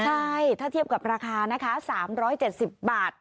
ใช่ถ้าเทียบกับราคานะคะ๓๗๐บาท